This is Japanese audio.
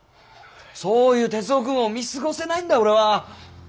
そういう徹生君を見過ごせないんだ俺は。